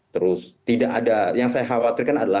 terus tidak ada yang saya khawatirkan adalah